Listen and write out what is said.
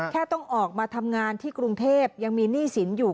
ต้องออกมาทำงานที่กรุงเทพยังมีหนี้สินอยู่